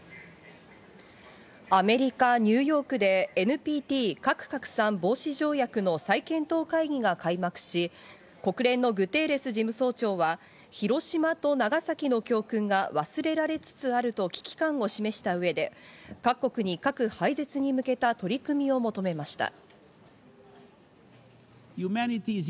アメリカ・ニューヨークでＮＰＴ＝核拡散防止条約の再検討会議が開幕し、国連のグテーレス事務総長は広島と長崎の教訓が忘れられつつあると危機感を示した上で各国に核廃絶に向けた取り組みを求めました。